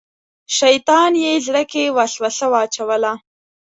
شیطان یې زړه کې وسوسه واچوله.